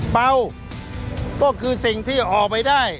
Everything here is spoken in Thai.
เปล่าก็คือสิ่งที่ออกไปได้